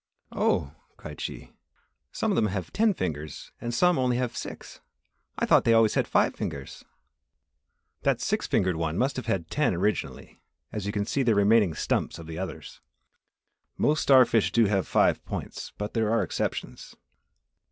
"Oh," cried she, "some of them have ten fingers and some only have six. I thought they always had five fingers." "That six fingered one must have had ten originally, as you can see the remaining stumps of the others. Most star fish do have five points but there are exceptions.